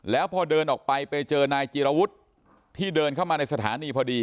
แล้วพอเดินออกไปไปเจอนายจีรวุฒิที่เดินเข้ามาในสถานีพอดี